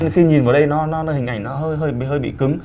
khi nhìn vào đây nó hình ảnh nó hơi bị cứng